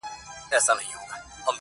o اوبه د سره خړي دي.